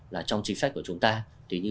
là trong chính sách của chúng ta thì như